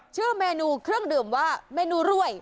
ชื่อเมนูเครื่องดื่มว่าเมนูรวย